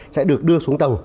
sẽ được đưa xuống tàu